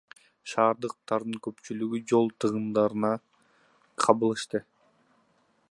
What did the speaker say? Шаардыктардын көпчүлүгү жол тыгындарына кабылышты.